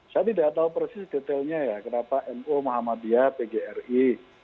saya tidak tahu persis detailnya ya kenapa nu muhammadiyah pgri